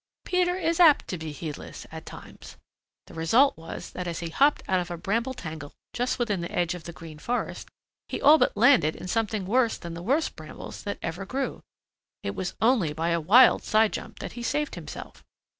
Peter is apt to be heedless at times. The result was that as he hopped out of a bramble tangle just within the edge of the Green Forest, he all but landed in something worse than the worst brambles that ever grew. It was only by a wild side jump that he saved himself.